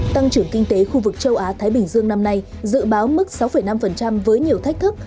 tăng trưởng kinh tế khu vực châu á thái bình dương năm nay dự báo mức sáu năm với nhiều thách thức